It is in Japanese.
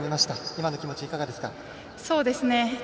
今の気持ち、いかがですか？